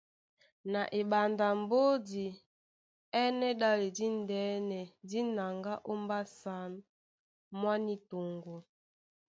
Na eɓanda a mbódi é ɛ́nɛ́ ɗále díndɛ́nɛ dí naŋgá ó mbásǎn mwá ní toŋgo.